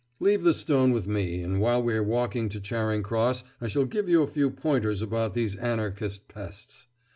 "Leave the stone with me, and while we are walking to Charing Cross I can give you a few pointers about these Anarchist pests.